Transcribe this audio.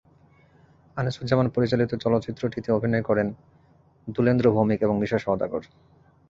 আনিসুজ্জামান পরিচালিত চলচ্চিত্রটিতে অভিনয় করেন দুলেন্দ্র ভৌমিক এবং মিশা সওদাগর।